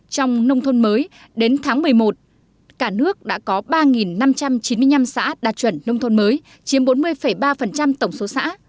trong nông thôn mới đến tháng một mươi một cả nước đã có ba năm trăm chín mươi năm xã đạt chuẩn nông thôn mới chiếm bốn mươi ba tổng số xã